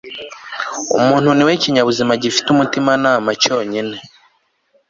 umuntu ni we kinyabuzima gifite umutimanama cyonyine